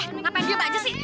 hei ngapain diam aja sih